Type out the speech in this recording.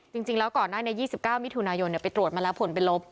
จริงแล้วก่อนหน้านี้๒๙มิถุนายนไปตรวจมาแล้วผลเป็นลบ